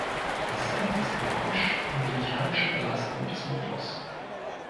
Das senkt das Geräusch und die mechanische Belastung des Motors.